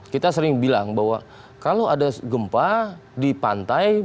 kita sering bilang bahwa kalau ada gempa di pantai